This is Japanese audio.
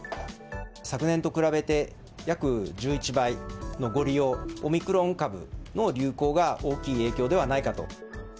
昨年と比べて、約１１倍のご利用、オミクロン株の流行が大きい影響ではないかと。